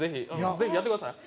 ぜひやってください。